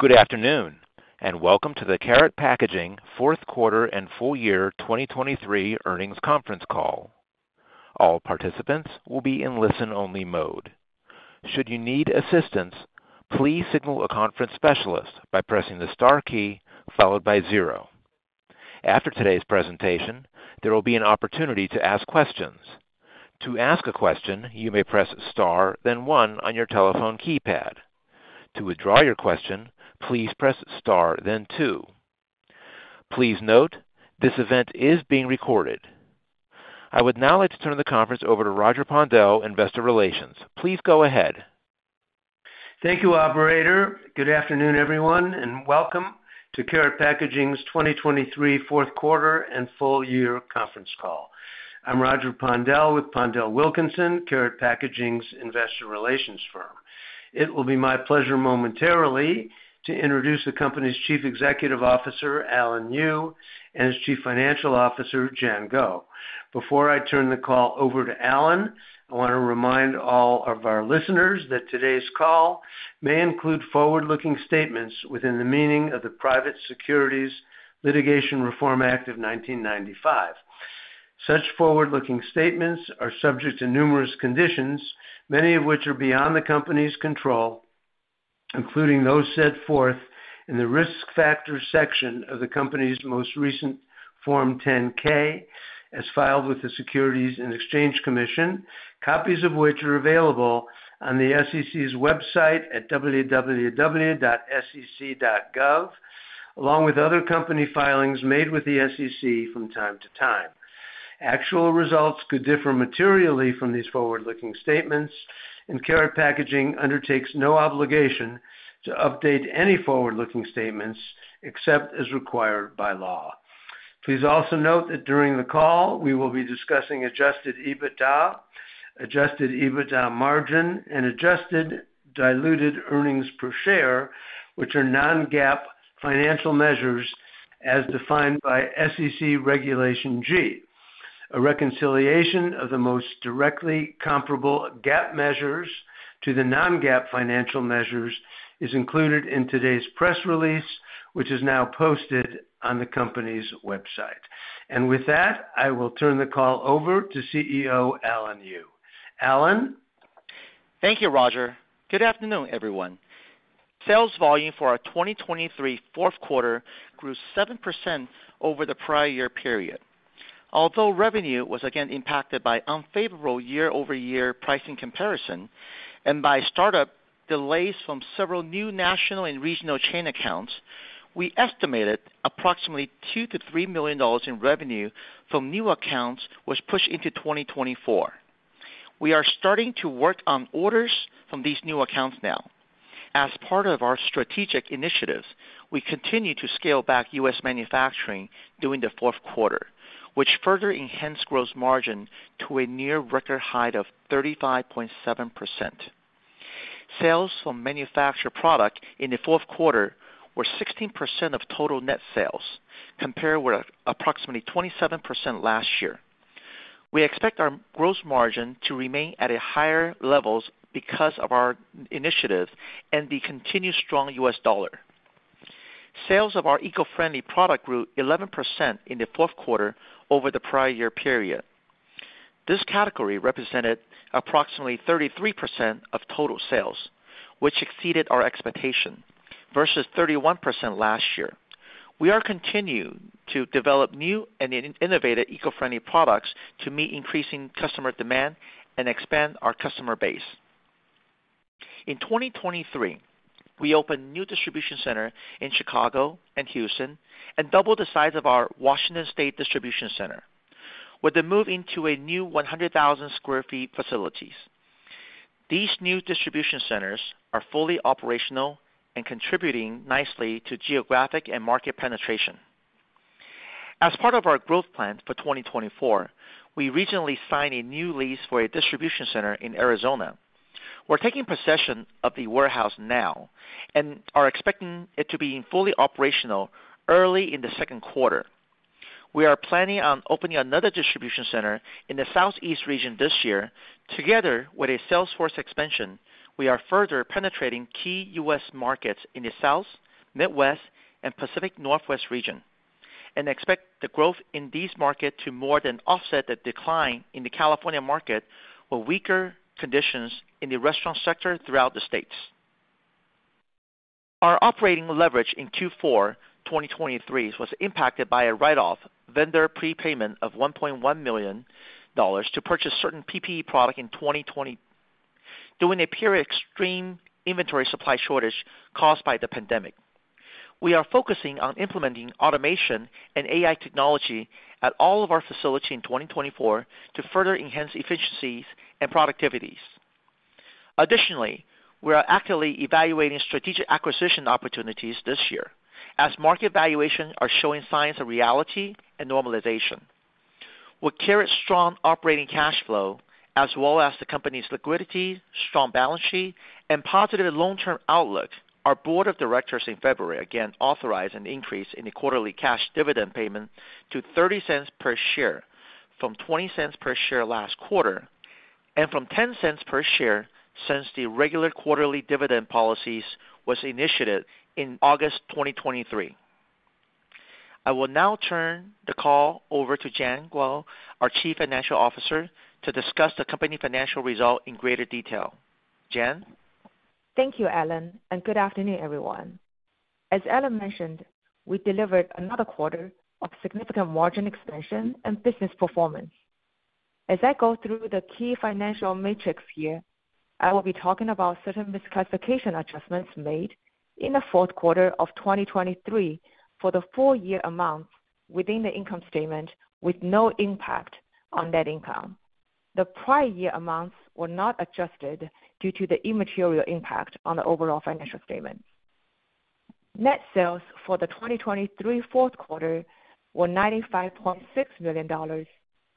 Good afternoon and welcome to the Karat Packaging fourth quarter and full year 2023 earnings conference call. All participants will be in listen-only mode. Should you need assistance, please signal a conference specialist by pressing the star key followed by zero. After today's presentation, there will be an opportunity to ask questions. To ask a question, you may press star then one on your telephone keypad. To withdraw your question, please press star then two. Please note, this event is being recorded. I would now like to turn the conference over to Roger Pondel, Investor Relations. Please go ahead. Thank you, operator. Good afternoon, everyone, and welcome to Karat Packaging's 2023 fourth quarter and full year conference call. I'm Roger Pondel with PondelWilkinson, Karat Packaging's investor relations firm. It will be my pleasure momentarily to introduce the company's Chief Executive Officer, Alan Yu, and his Chief Financial Officer, Jian Guo. Before I turn the call over to Alan, I want to remind all of our listeners that today's call may include forward-looking statements within the meaning of the Private Securities Litigation Reform Act of 1995. Such forward-looking statements are subject to numerous conditions, many of which are beyond the company's control, including those set forth in the risk factors section of the company's most recent Form 10-K as filed with the Securities and Exchange Commission, copies of which are available on the SEC's website at www.sec.gov, along with other company filings made with the SEC from time to time. Actual results could differ materially from these forward-looking statements, and Karat Packaging undertakes no obligation to update any forward-looking statements except as required by law. Please also note that during the call we will be discussing Adjusted EBITDA, Adjusted EBITDA Margin, and Adjusted Diluted Earnings Per Share, which are non-GAAP financial measures as defined by SEC Regulation G. A reconciliation of the most directly comparable GAAP measures to the non-GAAP financial measures is included in today's press release, which is now posted on the company's website. With that, I will turn the call over to CEO Alan Yu. Alan? Thank you, Roger. Good afternoon, everyone. Sales volume for our 2023 fourth quarter grew 7% over the prior year period. Although revenue was again impacted by unfavorable year-over-year pricing comparison and by startup delays from several new national and regional chain accounts, we estimated approximately $2 million-$3 million in revenue from new accounts was pushed into 2024. We are starting to work on orders from these new accounts now. As part of our strategic initiatives, we continue to scale back U.S. manufacturing during the fourth quarter, which further enhanced gross margin to a near-record high of 35.7%. Sales from manufactured product in the fourth quarter were 16% of total net sales, compared with approximately 27% last year. We expect our gross margin to remain at higher levels because of our initiative and the continued strong U.S. dollar. Sales of our eco-friendly product grew 11% in the fourth quarter over the prior year period. This category represented approximately 33% of total sales, which exceeded our expectation, versus 31% last year. We are continuing to develop new and innovative eco-friendly products to meet increasing customer demand and expand our customer base. In 2023, we opened new distribution centers in Chicago and Houston and doubled the size of our Washington State distribution center, with a move into a new 100,000 sq ft facilities. These new distribution centers are fully operational and contributing nicely to geographic and market penetration. As part of our growth plan for 2024, we recently signed a new lease for a distribution center in Arizona. We're taking possession of the warehouse now and are expecting it to be fully operational early in the second quarter. We are planning on opening another distribution center in the Southeast region this year. Together with a sales force expansion, we are further penetrating key U.S. markets in the South, Midwest, and Pacific Northwest region and expect the growth in these markets to more than offset the decline in the California market with weaker conditions in the restaurant sector throughout the states. Our operating leverage in Q4 2023 was impacted by a write-off vendor prepayment of $1.1 million to purchase certain PPE products in 2020, during a period of extreme inventory supply shortage caused by the pandemic. We are focusing on implementing automation and AI technology at all of our facilities in 2024 to further enhance efficiencies and productivities. Additionally, we are actively evaluating strategic acquisition opportunities this year, as market valuations are showing signs of reality and normalization. We carry strong operating cash flow, as well as the company's liquidity, strong balance sheet, and positive long-term outlook. Our board of directors in February again authorized an increase in the quarterly cash dividend payment to $0.30 per share from $0.20 per share last quarter and from $0.10 per share since the regular quarterly dividend policies were initiated in August 2023. I will now turn the call over to Jian Guo, our Chief Financial Officer, to discuss the company financial results in greater detail. Jian? Thank you, Alan, and good afternoon, everyone. As Alan mentioned, we delivered another quarter of significant margin expansion and business performance. As I go through the key financial metrics here, I will be talking about certain misclassification adjustments made in the fourth quarter of 2023 for the full year amounts within the income statement with no impact on net income. The prior year amounts were not adjusted due to the immaterial impact on the overall financial statements. Net sales for the 2023 fourth quarter were $95.6 million,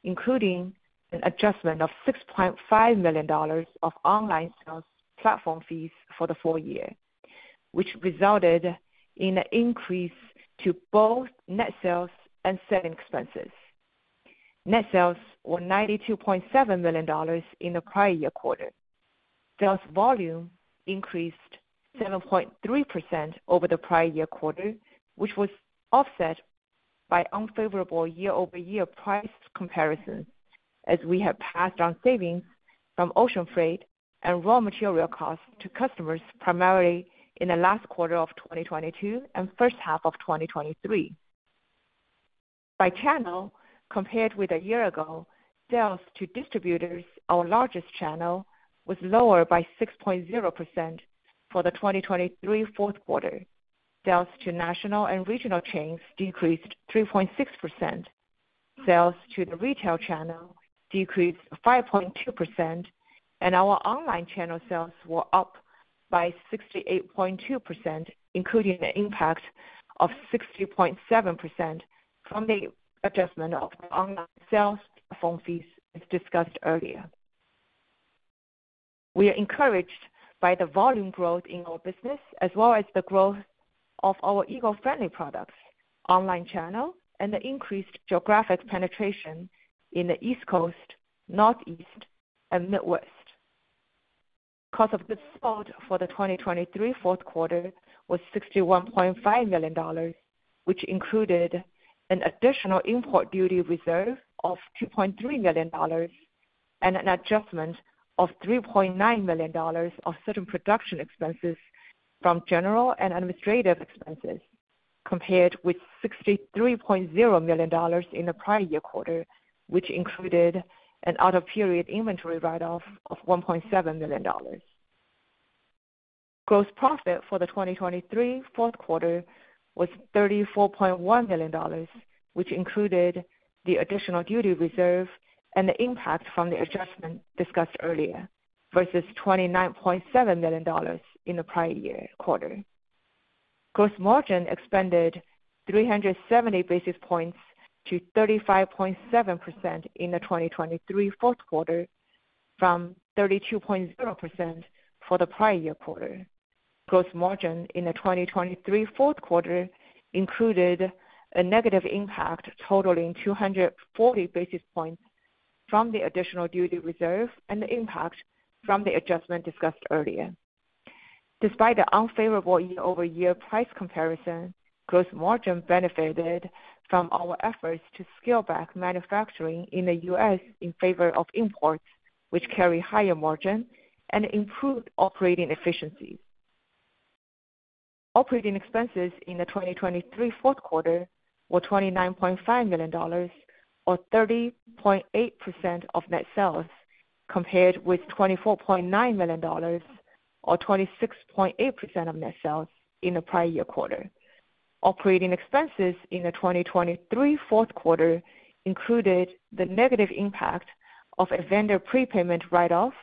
including an adjustment of $6.5 million of online sales platform fees for the full year, which resulted in an increase to both net sales and selling expenses. Net sales were $92.7 million in the prior year quarter. Sales volume increased 7.3% over the prior year quarter, which was offset by unfavorable year-over-year price comparisons as we had passed on savings from ocean freight and raw material costs to customers primarily in the last quarter of 2022 and first half of 2023. By channel, compared with a year ago, sales to distributors, our largest channel, was lower by 6.0% for the 2023 fourth quarter. Sales to national and regional chains decreased 3.6%. Sales to the retail channel decreased 5.2%, and our online channel sales were up by 68.2%, including an impact of 60.7% from the adjustment of online sales platform fees discussed earlier. We are encouraged by the volume growth in our business as well as the growth of our eco-friendly products, online channel, and the increased geographic penetration in the East Coast, Northeast, and Midwest. Cost of goods sold for the 2023 fourth quarter was $61.5 million, which included an additional import duty reserve of $2.3 million and an adjustment of $3.9 million of certain production expenses from general and administrative expenses, compared with $63.0 million in the prior year quarter, which included an out-of-period inventory write-off of $1.7 million. Gross profit for the 2023 fourth quarter was $34.1 million, which included the additional duty reserve and the impact from the adjustment discussed earlier versus $29.7 million in the prior year quarter. Gross margin expanded 370 basis points to 35.7% in the 2023 fourth quarter from 32.0% for the prior year quarter. Gross margin in the 2023 fourth quarter included a negative impact totaling 240 basis points from the additional duty reserve and the impact from the adjustment discussed earlier. Despite the unfavorable year-over-year price comparison, Gross Margin benefited from our efforts to scale back manufacturing in the U.S. in favor of imports, which carry higher margin, and improved operating efficiencies. Operating Expenses in the 2023 fourth quarter were $29.5 million, or 30.8% of net sales, compared with $24.9 million, or 26.8% of net sales, in the prior year quarter. Operating Expenses in the 2023 fourth quarter included the negative impact of a vendor prepayment write-off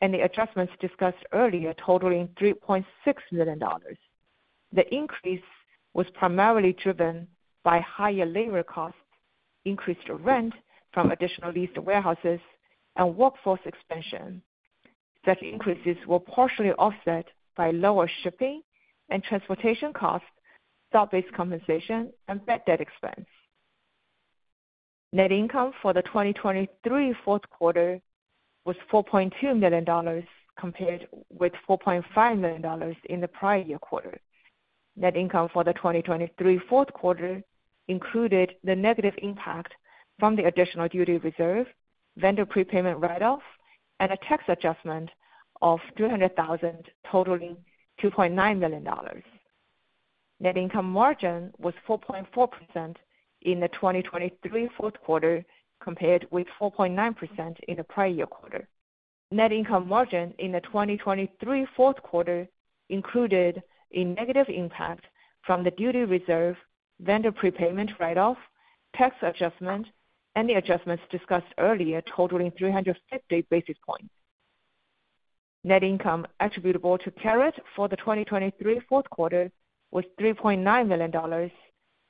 and the adjustments discussed earlier totaling $3.6 million. The increase was primarily driven by higher labor costs, increased rent from additional leased warehouses, and workforce expansion. Such increases were partially offset by lower shipping and transportation costs, stock-based compensation, and bad debt expense. Net Income for the 2023 fourth quarter was $4.2 million, compared with $4.5 million in the prior year quarter. Net income for the 2023 fourth quarter included the negative impact from the additional duty reserve, vendor prepayment write-off, and a tax adjustment of $300,000 totaling $2.9 million. Net income margin was 4.4% in the 2023 fourth quarter, compared with 4.9% in the prior year quarter. Net income margin in the 2023 fourth quarter included a negative impact from the duty reserve, vendor prepayment write-off, tax adjustment, and the adjustments discussed earlier totaling 350 basis points. Net income attributable to Karat for the 2023 fourth quarter was $3.9 million,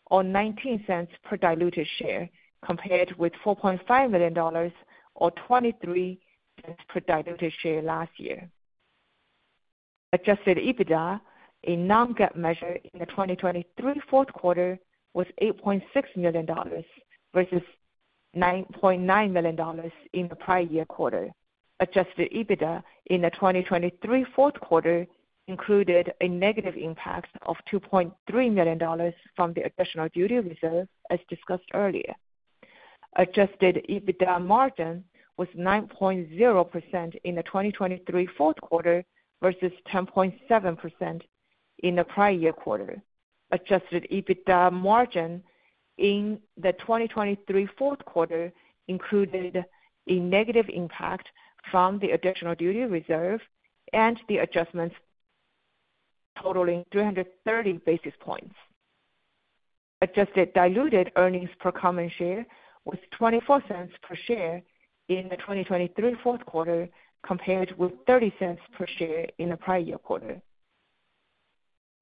or $0.19 per diluted share, compared with $4.5 million, or $0.23 per diluted share last year. Adjusted EBITDA, a non-GAAP measure in the 2023 fourth quarter, was $8.6 million versus $9.9 million in the prior year quarter. Adjusted EBITDA in the 2023 fourth quarter included a negative impact of $2.3 million from the additional duty reserve, as discussed earlier. Adjusted EBITDA margin was 9.0% in the 2023 fourth quarter versus 10.7% in the prior year quarter. Adjusted EBITDA margin in the 2023 fourth quarter included a negative impact from the additional duty reserve and the adjustments totaling 330 basis points. Adjusted diluted earnings per common share was $0.24 per share in the 2023 fourth quarter, compared with $0.30 per share in the prior year quarter.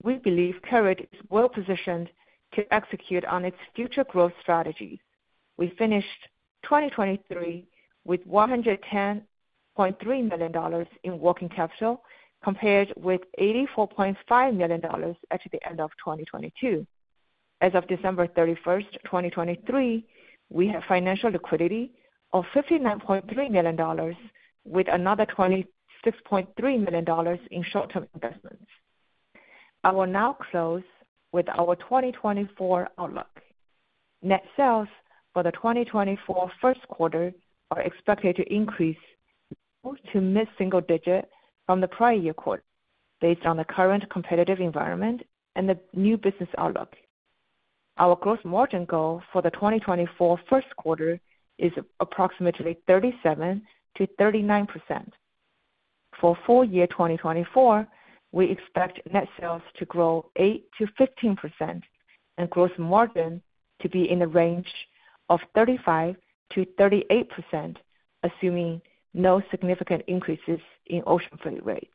We believe Karat is well-positioned to execute on its future growth strategies. We finished 2023 with $110.3 million in working capital, compared with $84.5 million at the end of 2022. As of December 31, 2023, we have financial liquidity of $59.3 million, with another $26.3 million in short-term investments. I will now close with our 2024 outlook. Net sales for the 2024 first quarter are expected to increase to mid-single digit from the prior year quarter based on the current competitive environment and the new business outlook. Our gross margin goal for the 2024 first quarter is approximately 37%-39%. For full year 2024, we expect net sales to grow 8%-15% and gross margin to be in the range of 35%-38%, assuming no significant increases in ocean freight rates.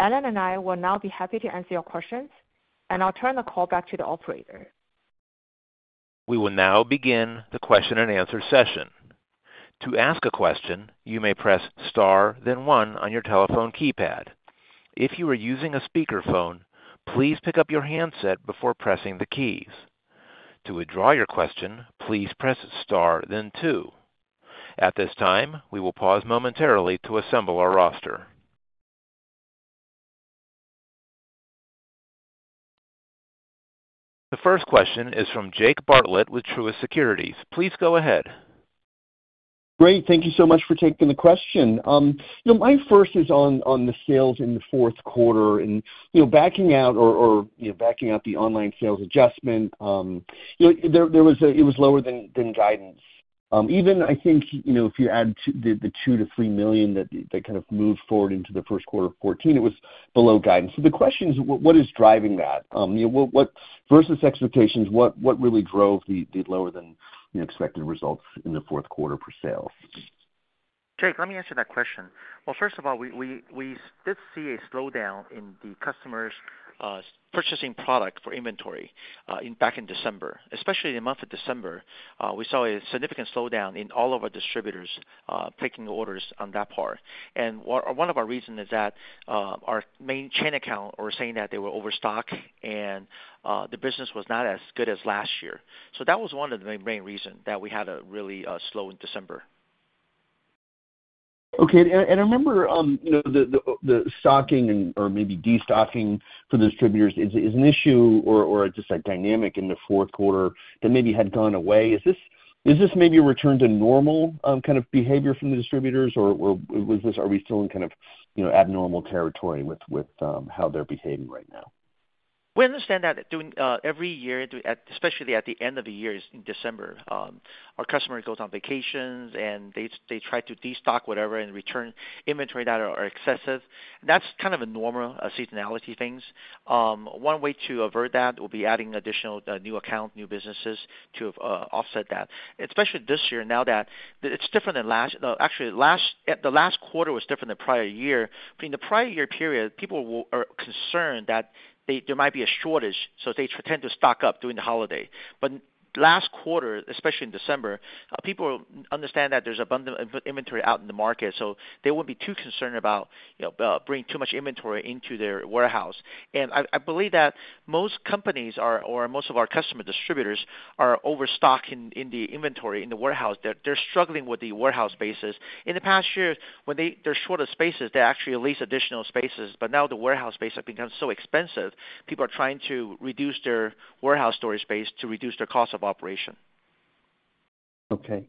Alan and I will now be happy to answer your questions, and I'll turn the call back to the operator. We will now begin the question-and-answer session. To ask a question, you may press * then 1 on your telephone keypad. If you are using a speakerphone, please pick up your handset before pressing the keys. To withdraw your question, please press * then 2. At this time, we will pause momentarily to assemble our roster. The first question is from Jake Bartlett with Truist Securities. Please go ahead. Great. Thank you so much for taking the question. My first is on the sales in the fourth quarter and backing out or backing out the online sales adjustment. There was a it was lower than guidance. Even, I think, if you add the $2 million-$3 million that kind of moved forward into the first quarter of 2014, it was below guidance. So the question is, what is driving that? Versus expectations, what really drove the lower-than-expected results in the fourth quarter per sales? Jake, let me answer that question. Well, first of all, we did see a slowdown in the customers' purchasing product for inventory back in December. Especially in the month of December, we saw a significant slowdown in all of our distributors taking orders on that part. One of our reasons is that our main chain account were saying that they were overstocked and the business was not as good as last year. That was one of the main reasons that we had a really slow December. Okay. I remember the stocking or maybe destocking for the distributors is an issue or just a dynamic in the fourth quarter that maybe had gone away. Is this maybe a return to normal kind of behavior from the distributors, or are we still in kind of abnormal territory with how they're behaving right now? We understand that every year, especially at the end of the year in December, our customer goes on vacations and they try to destock whatever and return inventory that are excessive. That's kind of a normal seasonality thing. One way to avert that would be adding additional new accounts, new businesses to offset that, especially this year now that it's different than last, actually, the last quarter was different than prior year. In the prior year period, people are concerned that there might be a shortage, so they pretend to stock up during the holiday. But last quarter, especially in December, people understand that there's abundant inventory out in the market, so they wouldn't be too concerned about bringing too much inventory into their warehouse. And I believe that most companies or most of our customer distributors are overstocking in the inventory in the warehouse. They're struggling with the warehouse spaces. In the past year, when they're short of spaces, they actually lease additional spaces. But now the warehouse space has become so expensive, people are trying to reduce their warehouse storage space to reduce their cost of operation. Okay.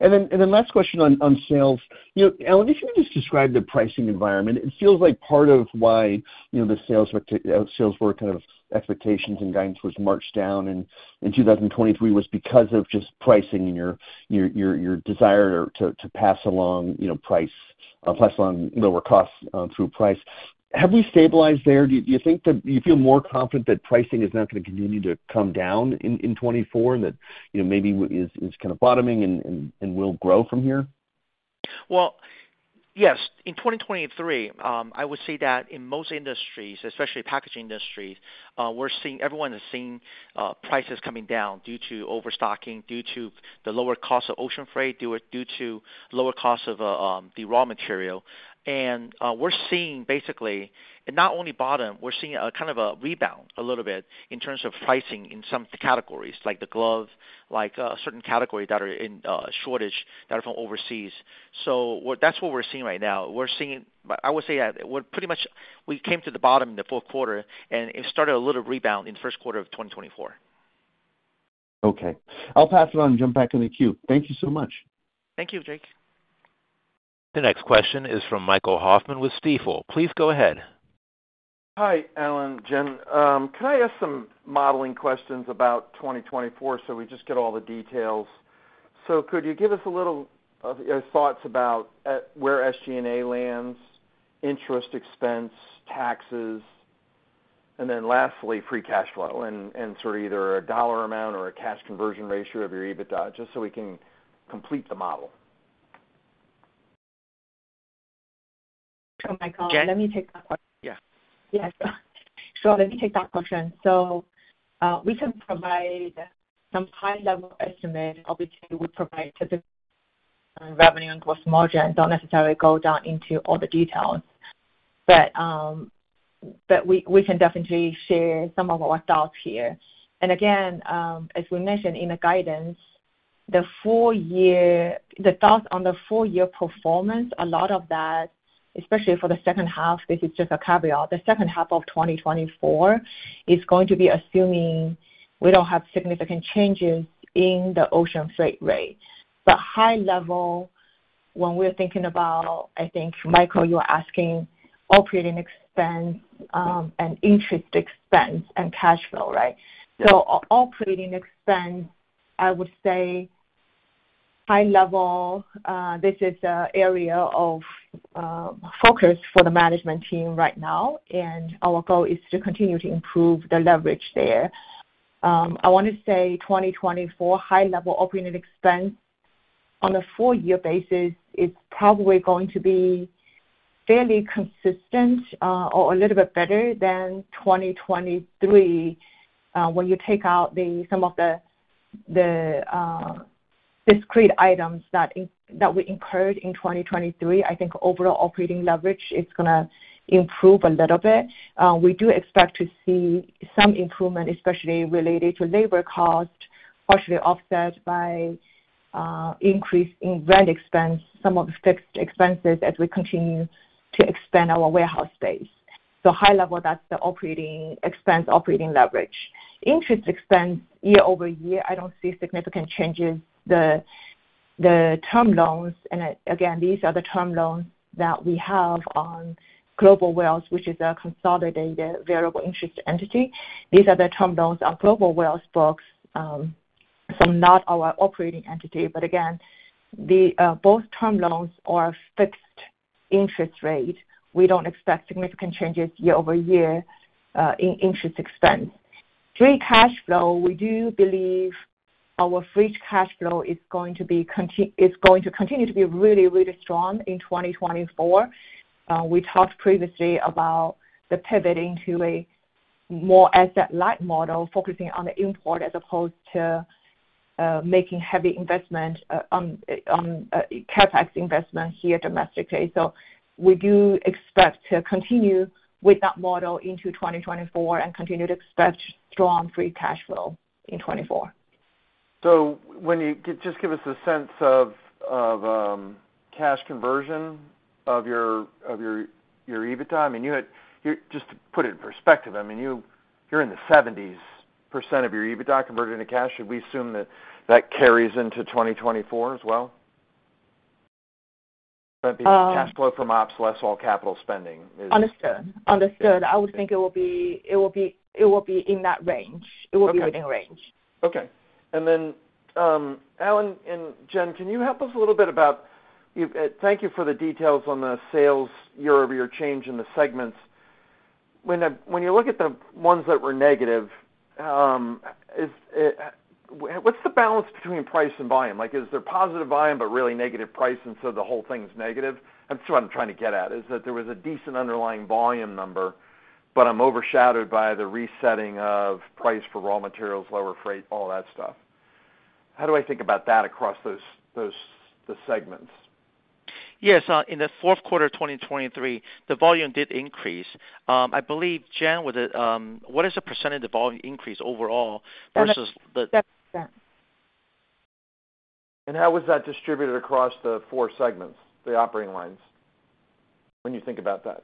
And then last question on sales. Alan, if you could just describe the pricing environment, it feels like part of why the sales for kind of expectations and guidance was marched down in 2023 was because of just pricing and your desire to pass along price, pass along lower costs through price. Have we stabilized there? Do you think that you feel more confident that pricing is not going to continue to come down in 2024 and that maybe it's kind of bottoming and will grow from here? Well, yes. In 2023, I would say that in most industries, especially packaging industries, everyone is seeing prices coming down due to overstocking, due to the lower cost of ocean freight, due to lower cost of the raw material. And we're seeing, basically, it not only bottomed, we're seeing kind of a rebound a little bit in terms of pricing in some categories, like the gloves, like certain categories that are in shortage that are from overseas. So that's what we're seeing right now. I would say that pretty much we came to the bottom in the fourth quarter, and it started a little rebound in the first quarter of 2024. Okay. I'll pass it on and jump back in the queue. Thank you so much. Thank you, Jake. The next question is from Michael Hoffman with Stifel. Please go ahead. Hi, Alan. Jian, can I ask some modeling questions about 2024 so we just get all the details? So could you give us a little of your thoughts about where SG&A lands, interest expense, taxes, and then lastly, free cash flow and sort of either a dollar amount or a cash conversion ratio of your EBITDA just so we can complete the model? Sure, Michael. Let me take that question. Jian. Yeah. Yeah. So let me take that question. So we can provide some high-level estimate. Obviously, we provide typical revenue and gross margin, don't necessarily go down into all the details, but we can definitely share some of our thoughts here. And again, as we mentioned in the guidance, the thoughts on the four-year performance, a lot of that, especially for the second half, this is just a caveat, the second half of 2024 is going to be assuming we don't have significant changes in the ocean freight rate. But high-level, when we're thinking about, I think, Michael, you were asking operating expense and interest expense and cash flow, right? So operating expense, I would say high-level, this is an area of focus for the management team right now, and our goal is to continue to improve the leverage there. I want to say 2024 high-level operating expense on a four-year basis is probably going to be fairly consistent or a little bit better than 2023 when you take out some of the discrete items that we incurred in 2023. I think overall operating leverage, it's going to improve a little bit. We do expect to see some improvement, especially related to labor cost, partially offset by increase in rent expense, some of the fixed expenses as we continue to expand our warehouse space. So high-level, that's the operating expense, operating leverage. Interest expense, year-over-year, I don't see significant changes. The term loans, and again, these are the term loans that we have on Globalwell, which is a consolidated variable interest entity. These are the term loans on Globalwell books, so not our operating entity. But again, both term loans are fixed interest rate. We don't expect significant changes year-over-year in interest expense. Free cash flow, we do believe our free cash flow is going to continue to be really, really strong in 2024. We talked previously about the pivot into a more asset-light model focusing on the import as opposed to making heavy investment on CapEx investment here domestically. So we do expect to continue with that model into 2024 and continue to expect strong free cash flow in 2024. So just give us a sense of cash conversion of your EBITDA. I mean, just to put it in perspective, I mean, you're in the 70s% of your EBITDA converted into cash. Should we assume that that carries into 2024 as well? Cash flow from ops, less all-capital spending is. Understood. Understood. I would think it will be in that range. It will be within range. Okay. And then, Alan and Jian, can you help us a little bit about? Thank you for the details on the sales year-over-year change in the segments. When you look at the ones that were negative, what's the balance between price and volume? Is there positive volume but really negative price, and so the whole thing's negative? That's what I'm trying to get at, is that there was a decent underlying volume number, but I'm overshadowed by the resetting of price for raw materials, lower freight, all that stuff. How do I think about that across the segments? Yes. In the fourth quarter of 2023, the volume did increase. I believe Jian was at what is the percentage of volume increase overall versus the. 70%. How was that distributed across the four segments, the operating lines, when you think about that?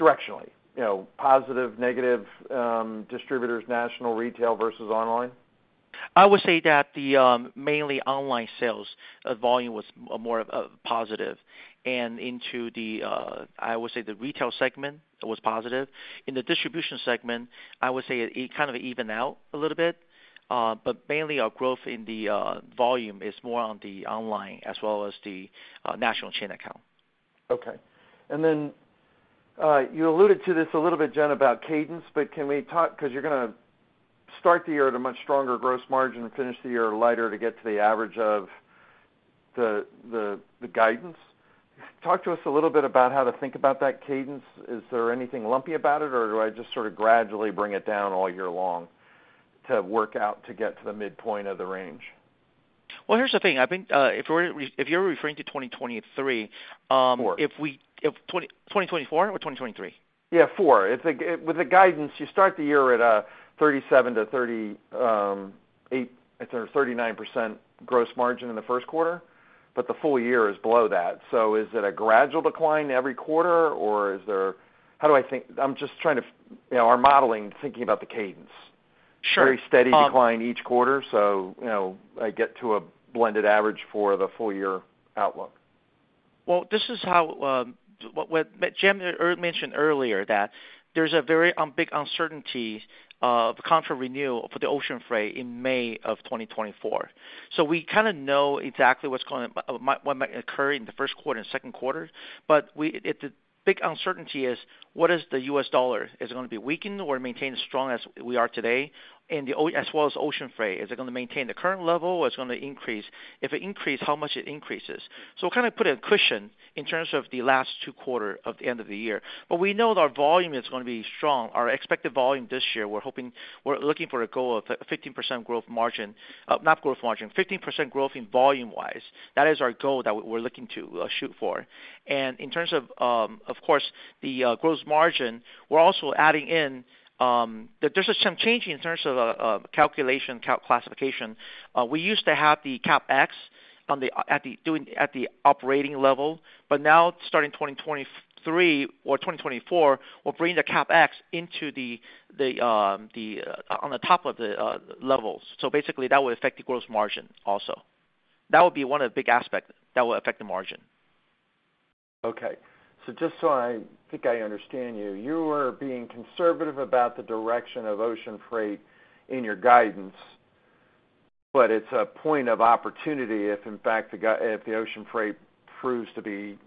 Directionally, positive, negative, distributors, national, retail versus online? I would say that mainly online sales, the volume was more positive. Into the, I would say, the retail segment, it was positive. In the distribution segment, I would say it kind of evened out a little bit. But mainly, our growth in the volume is more on the online as well as the national chain account. Okay. And then you alluded to this a little bit, Jian, about cadence, but can we talk because you're going to start the year at a much stronger gross margin and finish the year lighter to get to the average of the guidance. Talk to us a little bit about how to think about that cadence. Is there anything lumpy about it, or do I just sort of gradually bring it down all year long to work out to get to the midpoint of the range? Well, here's the thing. I think if you're referring to 2023. Four. 2024 or 2023? Yeah, 4. With the guidance, you start the year at a 37%-38% or 39% gross margin in the first quarter, but the full year is below that. So is it a gradual decline every quarter, or is there, how do I think? I'm just trying to our modeling, thinking about the cadence. Very steady decline each quarter, so I get to a blended average for the full-year outlook. Well, this is how Jian mentioned earlier that there's a very big uncertainty of contract renewal for the ocean freight in May of 2024. So we kind of know exactly what's going to occur in the first quarter and second quarter, but the big uncertainty is what is the U.S. dollar? Is it going to be weakened or maintain as strong as we are today, as well as ocean freight? Is it going to maintain the current level, or it's going to increase? If it increases, how much it increases? So we'll kind of put a cushion in terms of the last two quarters of the end of the year. But we know that our volume is going to be strong. Our expected volume this year, we're looking for a goal of 15% growth margin not growth margin, 15% growth in volume-wise. That is our goal that we're looking to shoot for. And in terms of, of course, the Gross Margin, we're also adding in there's some changing in terms of calculation, classification. We used to have the CapEx at the operating level, but now, starting 2023 or 2024, we'll bring the CapEx into the on the top of the levels. So basically, that will affect the Gross Margin also. That would be one of the big aspects that will affect the margin. Okay. So just so I think I understand you, you were being conservative about the direction of ocean freight in your guidance, but it's a point of opportunity if, in fact, the ocean freight proves to be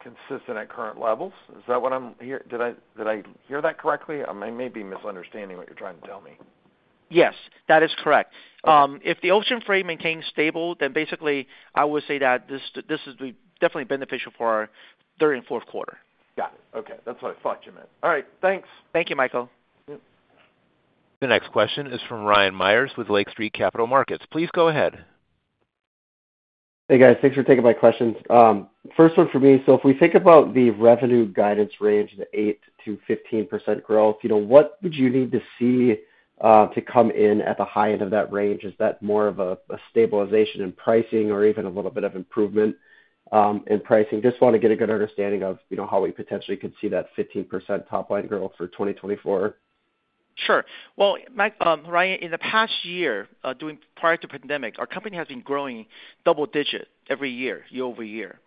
consistent at current levels. Is that what I'm hearing? Did I hear that correctly? I may be misunderstanding what you're trying to tell me. Yes, that is correct. If the ocean freight maintains stable, then basically, I would say that this would be definitely beneficial for our third and fourth quarter. Got it. Okay. That's what I thought you meant. All right. Thanks. Thank you, Michael. The next question is from Ryan Meyers with Lake Street Capital Markets. Please go ahead. Hey, guys. Thanks for taking my questions. First one for me. So if we think about the revenue guidance range, the 8%-15% growth, what would you need to see to come in at the high end of that range? Is that more of a stabilization in pricing or even a little bit of improvement in pricing? Just want to get a good understanding of how we potentially could see that 15% top-line growth for 2024. Sure. Well, Ryan, in the past year, prior to pandemic, our company has been growing double-digit every year, year over year.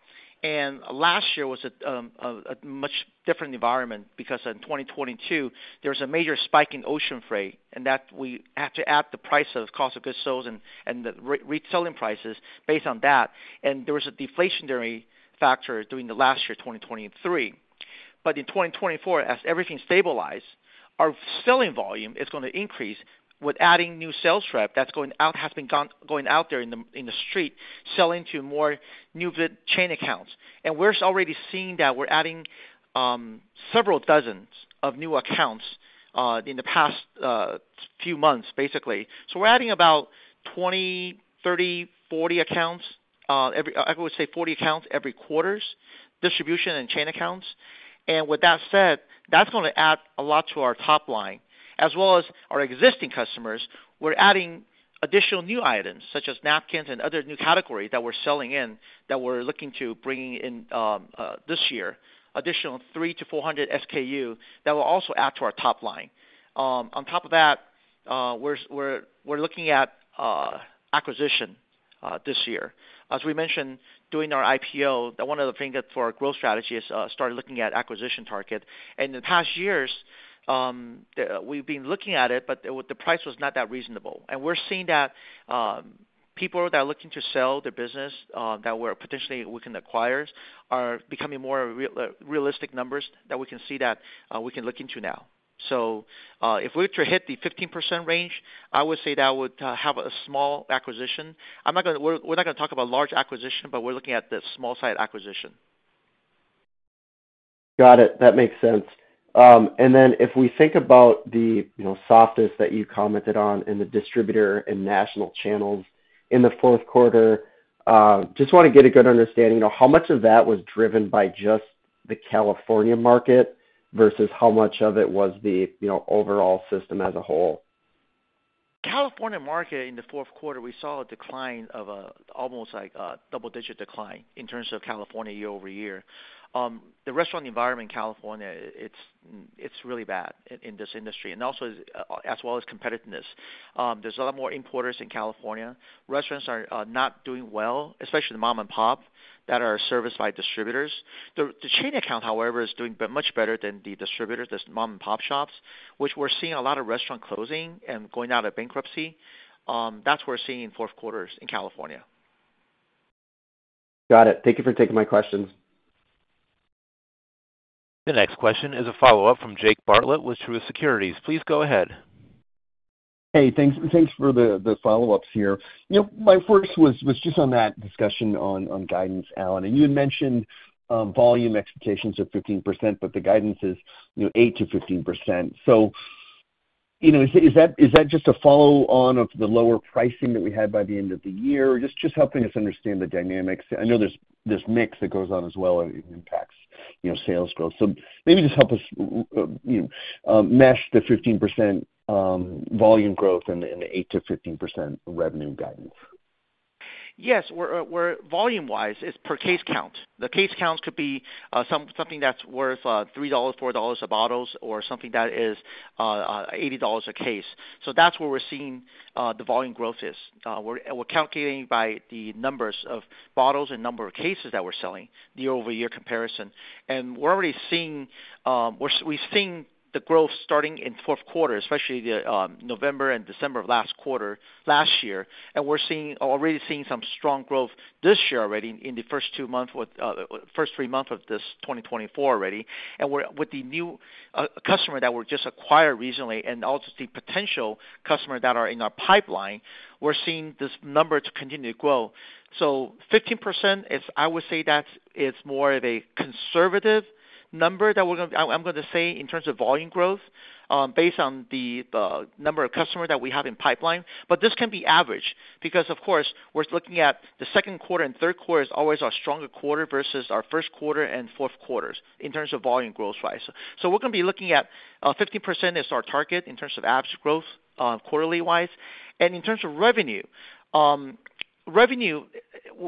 Last year was a much different environment because in 2022, there was a major spike in ocean freight, and we had to add the price of cost of goods sold and the reselling prices based on that. There was a deflationary factor during the last year, 2023. In 2024, as everything stabilized, our selling volume is going to increase with adding new sales rep that has been going out there in the street, selling to more new chain accounts. We're already seeing that we're adding several dozens of new accounts in the past few months, basically. We're adding about 20, 30, 40 accounts. I would say 40 accounts every quarter's distribution and chain accounts. With that said, that's going to add a lot to our top line. As well as our existing customers, we're adding additional new items such as napkins and other new categories that we're selling in that we're looking to bring in this year, additional 3-400 SKU that will also add to our top line. On top of that, we're looking at acquisition this year. As we mentioned, during our IPO, one of the things for our growth strategy is starting to look at acquisition target. In the past years, we've been looking at it, but the price was not that reasonable. We're seeing that people that are looking to sell their business that we're potentially looking to acquire are becoming more realistic numbers that we can see that we can look into now. So if we were to hit the 15% range, I would say that would have a small acquisition. We're not going to talk about large acquisition, but we're looking at the small-sized acquisition. Got it. That makes sense. And then if we think about the softness that you commented on in the distributor and national channels in the fourth quarter, just want to get a good understanding. How much of that was driven by just the California market versus how much of it was the overall system as a whole? California market in the fourth quarter, we saw a decline of almost a double-digit decline in terms of California year-over-year. The restaurant environment in California, it's really bad in this industry, as well as competitiveness. There's a lot more importers in California. Restaurants are not doing well, especially the mom-and-pop that are serviced by distributors. The chain account, however, is doing much better than the distributors, the mom-and-pop shops, which we're seeing a lot of restaurant closing and going out of bankruptcy. That's what we're seeing in fourth quarters in California. Got it. Thank you for taking my questions. The next question is a follow-up from Jake Bartlett with Truist Securities. Please go ahead. Hey. Thanks for the follow-ups here. My first was just on that discussion on guidance, Alan. And you had mentioned volume expectations of 15%, but the guidance is 8%-15%. So is that just a follow-on of the lower pricing that we had by the end of the year? Just helping us understand the dynamics. I know there's mix that goes on as well and impacts sales growth. So maybe just help us mesh the 15% volume growth and the 8%-15% revenue guidance. Yes. Volume-wise, it's per case count. The case counts could be something that's worth $3, $4 a bottle, or something that is $80 a case. So that's where we're seeing the volume growth is. We're calculating by the numbers of bottles and number of cases that we're selling, the year-over-year comparison. We're already seeing we're seeing the growth starting in fourth quarter, especially November and December of last year. We're already seeing some strong growth this year already in the first two months first three months of this 2024 already. With the new customer that we just acquired recently and also the potential customer that are in our pipeline, we're seeing this number to continue to grow. So 15%, I would say that it's more of a conservative number that we're going to say in terms of volume growth based on the number of customers that we have in pipeline. But this can be averaged because, of course, we're looking at the second quarter and third quarter is always our stronger quarter versus our first quarter and fourth quarters in terms of volume growth-wise. So we're going to be looking at 15% as our target in terms of average growth quarterly-wise. And in terms of revenue,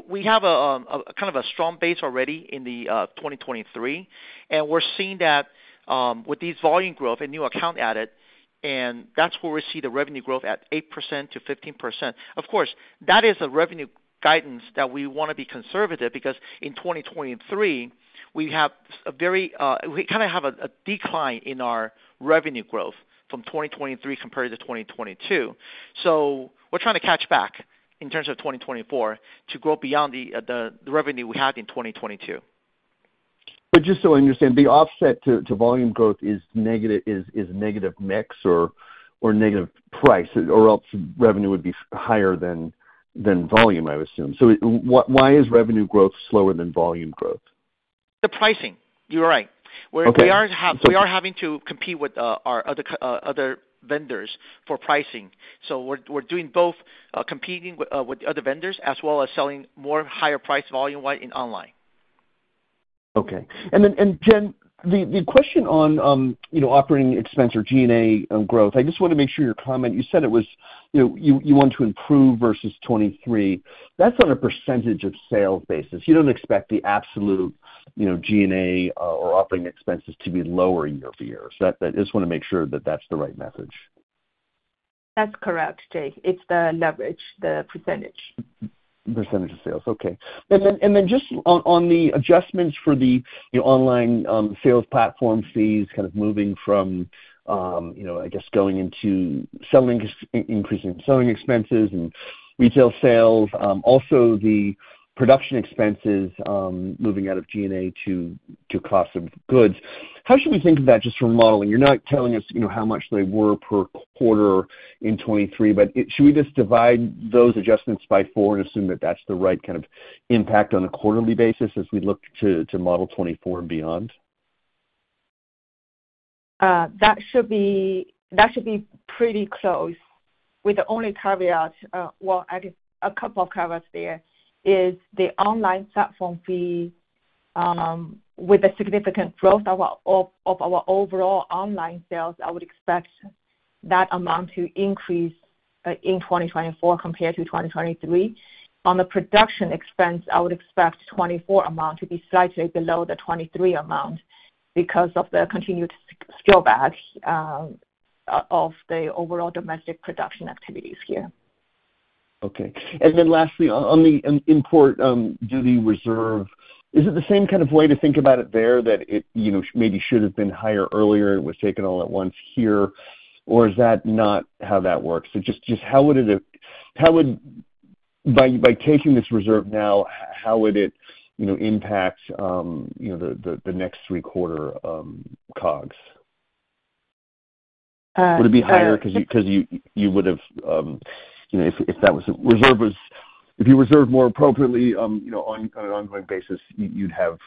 we have kind of a strong base already in 2023. And we're seeing that with this volume growth and new account added, and that's where we see the revenue growth at 8%-15%. Of course, that is a revenue guidance that we want to be conservative because in 2023, we kind of have a decline in our revenue growth from 2023 compared to 2022. So we're trying to catch back in terms of 2024 to grow beyond the revenue we had in 2022. But just so I understand, the offset to volume growth is negative mix or negative price, or else revenue would be higher than volume, I assume. So why is revenue growth slower than volume growth? The pricing. You're right. We are having to compete with our other vendors for pricing. So we're competing with other vendors as well as selling higher price volume-wise in online. Okay. And then, Jian, the question on operating expense or G&A growth, I just want to make sure your comment you said it was you wanted to improve versus 2023. That's on a percentage of sales basis. You don't expect the absolute G&A or operating expenses to be lower year-over-year. So I just want to make sure that that's the right message. That's correct, Jake. It's the leverage, the percentage. Percentage of sales. Okay. And then just on the adjustments for the online sales platform fees, kind of moving from, I guess, increasing selling expenses and retail sales, also the production expenses moving out of G&A to cost of goods. How should we think of that just for modeling? You're not telling us how much they were per quarter in 2023, but should we just divide those adjustments by four and assume that that's the right kind of impact on a quarterly basis as we look to model 2024 and beyond? That should be pretty close, with the only caveat, well, I guess a couple of caveats, there is the online platform fee. With the significant growth of our overall online sales, I would expect that amount to increase in 2024 compared to 2023. On the production expense, I would expect the 2024 amount to be slightly below the 2023 amount because of the continued scale back of the overall domestic production activities here. Okay. And then lastly, on the import duty reserve, is it the same kind of way to think about it there that it maybe should have been higher earlier and was taken all at once here, or is that not how that works? So just how would it by taking this reserve now, how would it impact the next three-quarter COGS? Would it be higher because you would have if that was a reserve was if you reserve more appropriately on an ongoing basis, you'd have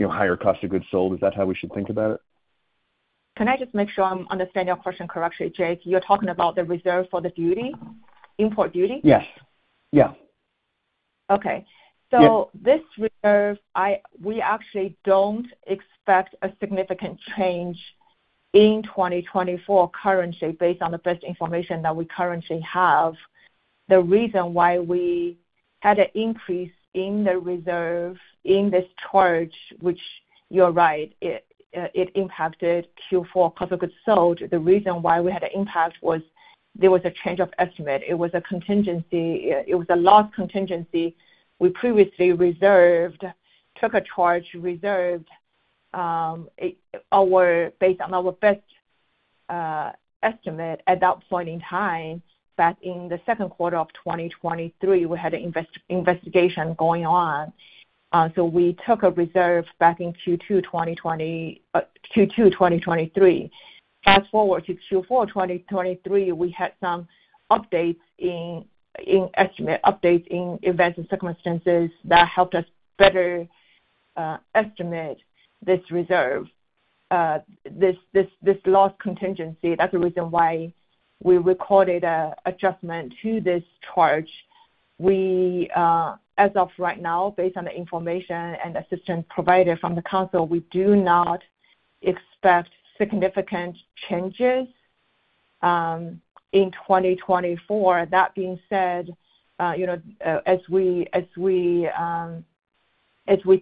higher cost of goods sold. Is that how we should think about it? Can I just make sure I'm understanding your question correctly, Jake? You're talking about the reserve for the import duty? Yes. Yeah. Okay. So this reserve, we actually don't expect a significant change in 2024 currently based on the best information that we currently have. The reason why we had an increase in the reserve in this charge, which, you're right, it impacted Q4 cost of goods sold. The reason why we had an impact was there was a change of estimate. It was a contingency. It was a lost contingency. We previously took a charge, reserved based on our best estimate at that point in time. Back in the second quarter of 2023, we had an investigation going on. So we took a reserve back in Q2 2023. Fast forward to Q4 2023, we had some estimate updates in events and circumstances that helped us better estimate this reserve, this lost contingency. That's the reason why we recorded an adjustment to this charge. As of right now, based on the information and assistance provided from the counsel, we do not expect significant changes in 2024. That being said, as we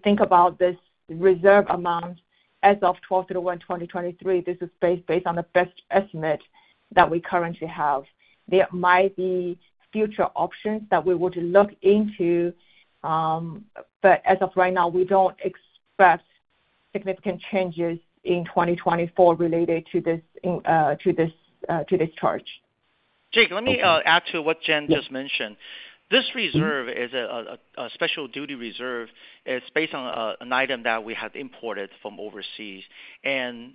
think about this reserve amount as of 12/01/2023, this is based on the best estimate that we currently have. There might be future options that we would look into, but as of right now, we don't expect significant changes in 2024 related to this charge. Jake, let me add to what Jian just mentioned. This reserve is a special duty reserve. It's based on an item that we have imported from overseas. And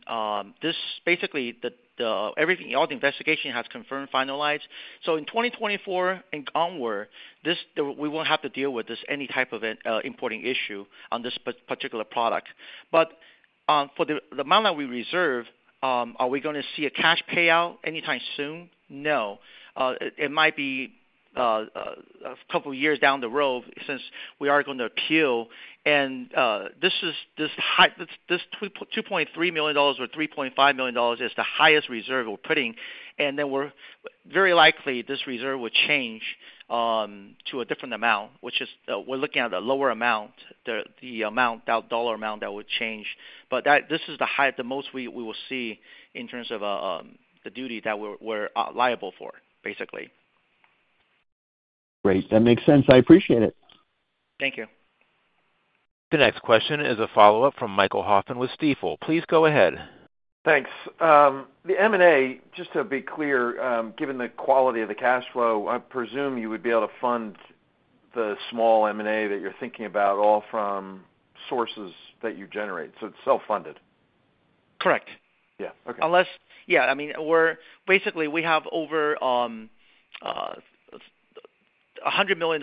basically, all the investigation has confirmed, finalized. So in 2024 and onward, we won't have to deal with any type of importing issue on this particular product. But for the amount that we reserve, are we going to see a cash payout anytime soon? No. It might be a couple of years down the road since we are going to appeal. And this $2.3 million or $3.5 million is the highest reserve we're putting. And then very likely, this reserve will change to a different amount, which is we're looking at a lower amount, the dollar amount that would change. But this is the most we will see in terms of the duty that we're liable for, basically. Great. That makes sense. I appreciate it. Thank you. The next question is a follow-up from Michael Hoffman with Stifel. Please go ahead. Thanks. The M&A, just to be clear, given the quality of the cash flow, I presume you would be able to fund the small M&A that you're thinking about all from sources that you generate. So it's self-funded. Correct. Yeah. I mean, basically, we have over $100 million,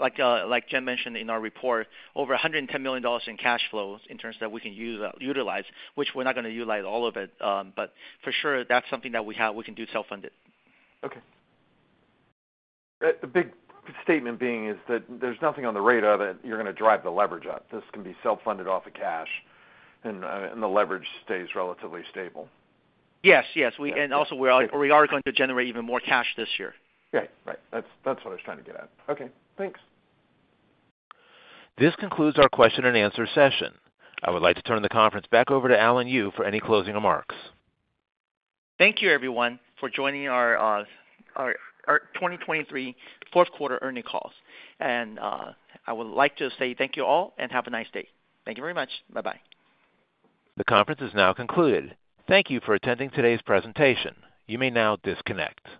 like Jian mentioned in our report, over $110 million in cash flows in terms that we can utilize, which we're not going to utilize all of it. But for sure, that's something that we have. We can do self-funded. Okay. The big statement being is that there's nothing on the radar that you're going to drive the leverage up. This can be self-funded off of cash, and the leverage stays relatively stable. Yes. Yes. Also, we are going to generate even more cash this year. Right. Right. That's what I was trying to get at. Okay. Thanks. This concludes our question-and-answer session. I would like to turn the conference back over to Alan Yu for any closing remarks. Thank you, everyone, for joining our 2023 fourth-quarter earnings calls. I would like to say thank you all and have a nice day. Thank you very much. Bye-bye. The conference is now concluded. Thank you for attending today's presentation. You may now disconnect.